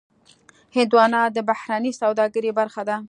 هندوانه د بهرنۍ سوداګرۍ برخه ده.